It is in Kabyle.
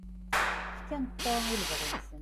Fkan ṭṭuɛ i lebɣi-nsen.